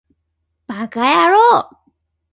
ヴぁかやろう